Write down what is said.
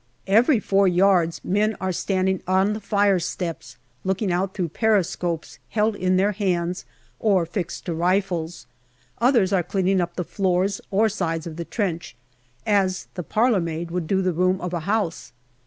Every four yards men are standing on the fire steps looking out through periscopes, held in their hands or fixed to rifles. Others are cleaning up the floors or sides of the trench, as the parlour maid would 13 194 GALLIPOLI DIARY the room of a house.